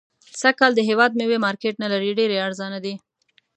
سږ کال د هيواد ميوي مارکيټ نلري .ډيري ارزانه دي